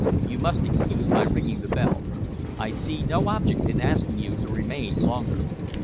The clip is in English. You must excuse my ringing the bell. I see no object in asking you to remain longer."